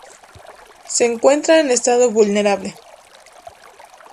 Se encuentra en estado vulnerable.